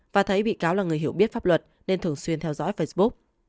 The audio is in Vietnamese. và thấy bị cáo là người hiểu biết pháp luật nên thường xuyên theo dõi facebook